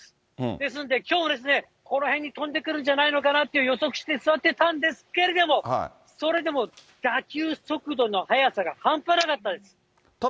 ですんで、きょうはこの辺に飛んでくるんじゃないかなと予測して、座ってたんですけれども、それでも打球速度の速さが半端なかったです。